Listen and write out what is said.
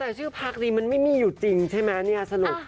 แต่ชื่อพักดีมันไม่มีอยู่จริงใช่ไหมเนี่ยสรุป